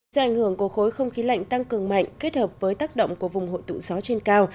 do ảnh hưởng của khối không khí lạnh tăng cường mạnh kết hợp với tác động của vùng hội tụ gió trên cao